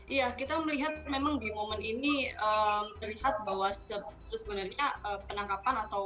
iya kita melihat memang di momen ini melihat bahwa sebenarnya penangkapan atau